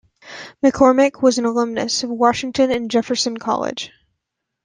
McCormick was an alumnus of Washington and Jefferson College.